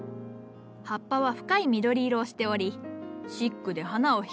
葉っぱは深い緑色をしておりシックで花を引き立てるぞ。